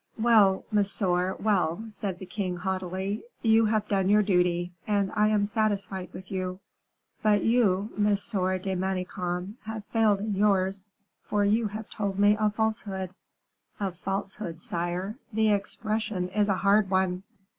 "Well, monsieur, well," said the king, haughtily; "you have done your duty, and I am satisfied with you. But you, Monsieur de Manicamp, have failed in yours, for you have told me a falsehood." "A falsehood, sire. The expression is a hard one."